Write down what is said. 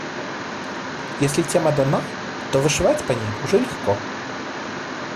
Если тема дана, то вышивать по ней уже легко.